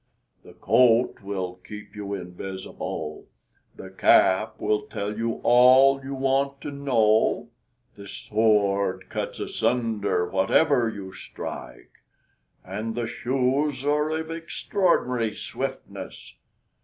The coat will keep you invisible, the cap will tell you all you want to know, the sword cuts asunder whatever you strike, and the shoes are of extraordinary swiftness.